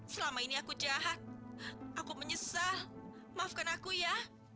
selama ini aku jahat aku menyesal maafkan aku ya